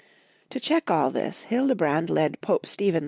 To check all this, Hilde brand led Pope Stephen II.